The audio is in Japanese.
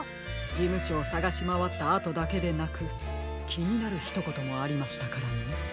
じむしょをさがしまわったあとだけでなくきになるひとこともありましたからね。